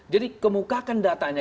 jadi kemukakan datanya